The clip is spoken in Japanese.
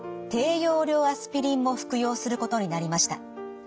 低用量アスピリンも服用することになりました。